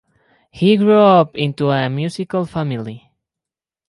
He grew up into a musical family.